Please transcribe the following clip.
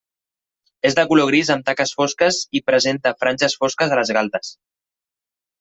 És de color gris amb taques fosques i presenta franges fosques a les galtes.